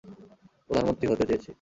প্রধান মন্ত্রী হতে চেয়েছি।